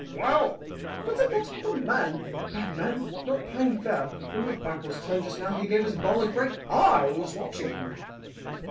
"Well?" "Vincent, that other man bad man not playing fair. When your back was turned just now, he gave his ball a great bang. I was watching him."